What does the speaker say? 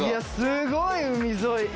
すごい！海沿い。